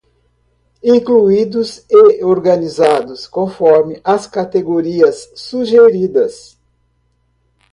Todos os itens foram incluídos e organizados conforme as categorias sugeridas.